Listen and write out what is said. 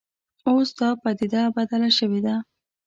اوس دا په پدیده بدله شوې ده